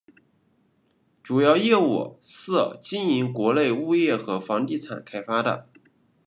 主要业务是经营国内物业和房地产开发的。